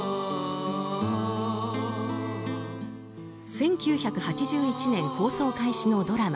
１９８１年放送開始のドラマ